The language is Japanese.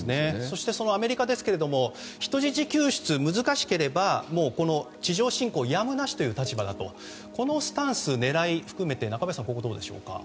そしてアメリカですが人質救出が難しければもう地上侵攻はやむなしという立場ですがこのスタンス、狙いを含めて中林さん、どうでしょうか。